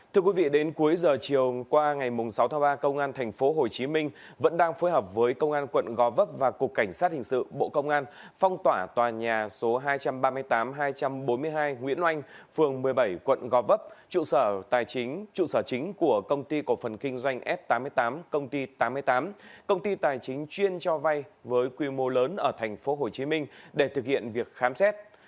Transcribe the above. thưa quý vị đến cuối giờ chiều qua ngày sáu tháng ba công an tp hcm vẫn đang phối hợp với công an quận gò vấp và cục cảnh sát hình sự bộ công an phong tỏa tòa nhà số hai trăm ba mươi tám hai trăm bốn mươi hai nguyễn oanh phường một mươi bảy quận gò vấp trụ sở chính của công ty cổ phần kinh doanh f tám mươi tám công ty tám mươi tám công ty tài chính chuyên cho vay với quy mô lớn ở tp hcm để thực hiện việc khám xét